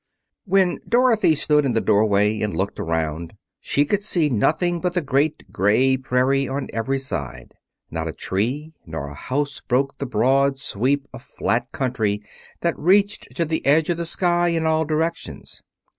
When Dorothy stood in the doorway and looked around, she could see nothing but the great gray prairie on every side. Not a tree nor a house broke the broad sweep of flat country that reached to the edge of the sky in all directions.